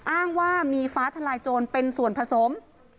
อ้างว่ามีฟ้าทลายโจรเป็นส่วนผสม